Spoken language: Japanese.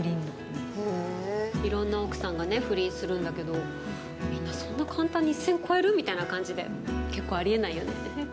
いろんな奥さんが不倫するんだけどみんなそんな簡単に一線超える？みたいな感じでそう？